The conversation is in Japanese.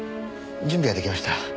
準備は出来ました。